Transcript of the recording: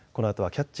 「キャッチ！